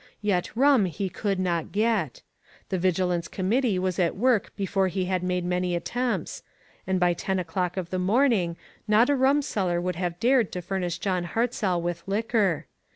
Yet rum he could not get. The vigilance committee was at work before he had made many attempts, and by ten o'clock of the THE VIGILANCE COMMITTEE. 495 morning not a ruraseller would have dared to furnish. John Hartzell with liquor.